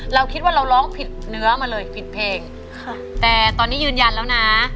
เราคิดว่าเราร้องผิดเนื้อมาเลยผิดเพลงค่ะแต่ตอนนี้ยืนยันแล้วนะ